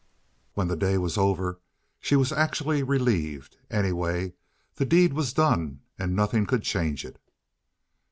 When the day was over she was actually relieved; anyway, the deed was done and nothing could change it.